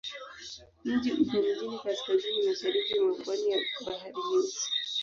Mji upo mjini kaskazini-mashariki mwa pwani ya Bahari Nyeusi.